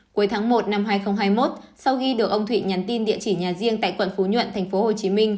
cuối tháng một năm hai nghìn hai mươi một sau khi được ông thụy nhắn tin địa chỉ nhà riêng tại quận phú nhuận tp hcm